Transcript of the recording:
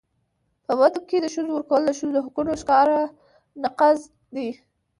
په بدو کي د ښځو ورکول د ښځو د حقونو ښکاره نقض دی.